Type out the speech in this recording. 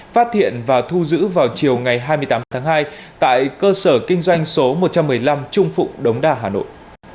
phát hiện và thu giữ vào chiều ngày hai mươi tám tháng hai tại cơ sở kinh doanh số một trăm một mươi năm trung phụ đống đa hà nội